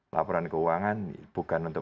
laporan keuangan bukan untuk menentukan bank tutup